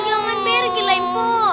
jangan pergi lah mpo